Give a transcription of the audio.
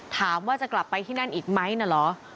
ถามว่าจะกลับไปที่นั่นอีกไหมน่ะเหรอ